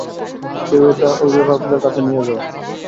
কেউ এটা অভিভাবকদের কাছে নিয়ে যাও।